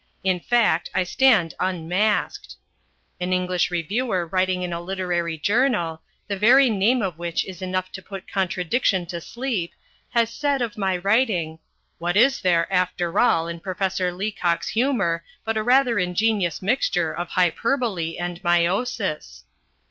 In fact I stand unmasked. An English reviewer writing in a literary journal, the very name of which is enough to put contradiction to sleep, has said of my writing, "What is there, after all, in Professor Leacock's humour but a rather ingenious mixture of hyperbole and myosis?"